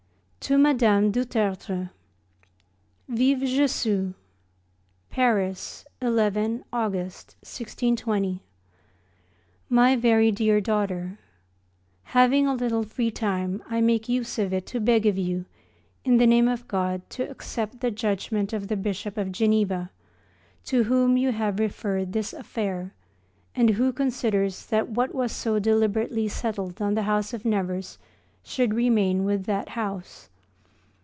To Madame du Tertre. Vive [+] Jésus! PARIS, 11 August, 1620. MY VERY DEAR DAUGHTER, Having a little free time I make use of it to beg of you in the name of God to accept the judgement of the Bishop of Geneva, to whom you have referred this affair, and who considers that what was so deliberately settled on the house of Nevers should remain with that house.